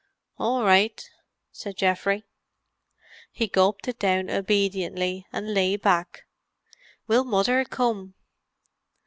"All right," said Geoffrey. He gulped it down obediently and lay back. "Will Mother come?"